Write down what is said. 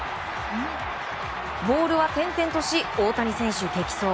ボールは転々とし大谷選手、激走！